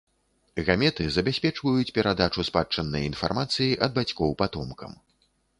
Гаметы забяспечваюць перадачу спадчыннай інфармацыі ад бацькоў патомкам.